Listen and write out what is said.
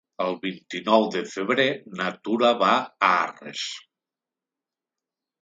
El vint-i-nou de febrer na Tura va a Arres.